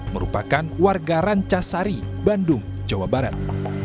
merupakan warga rancasari bandung jawa barat